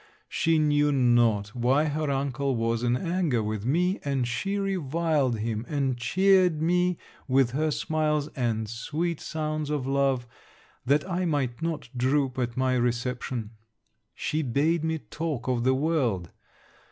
She knew not why her uncle was in anger with me, and she reviled him and cheered me with her smiles, and sweet sounds of love, that I might not droop at my reception. She bade me talk of the world.